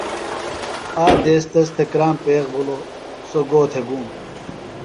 آک دیس تس تھےۡ کرام پیخ بِھلو سوۡ گو تھےۡ گُوم۔